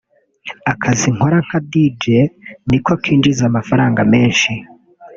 Akazi nkora nka Dj niko kinjiza amafaranga menshi